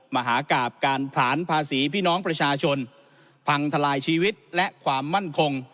มหากราบการผลานภาษีพี่น้องประชาชนพังทลายชีวิตและความมั่นคง